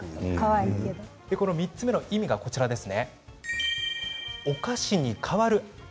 ３つ目の意味はこちらです。